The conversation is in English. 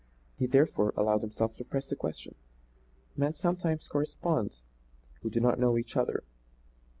He, therefore, allowed himself to press the question: "Men sometimes correspond who do not know each other.